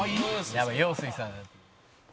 「やばい。陽水さんが」